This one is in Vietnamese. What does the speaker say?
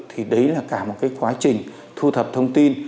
thì đấy là cả một cái quá trình thu thập thông tin